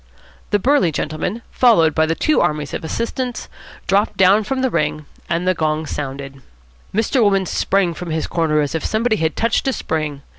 The burly gentleman, followed by the two armies of assistants, dropped down from the ring, and the gong sounded. Mr. Wolmann sprang from his corner as if somebody had touched a spring.